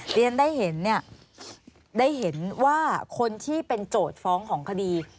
เรียนได้เห็นเนี่ยได้เห็นว่าคนที่เป็นโจทย์ฟ้องของคดี